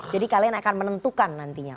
jadi kalian akan menentukan nantinya